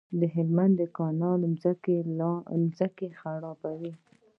د هلمند کانالونه ځمکې خړوبوي.